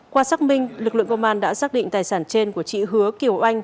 qua xác minh lực lượng công an đã xác định tài sản trên của chị hứa kiểu anh